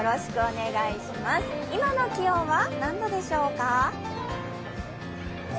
今の気温は、何度でしょうか？